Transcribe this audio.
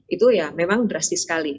itu ya memang drastis sekali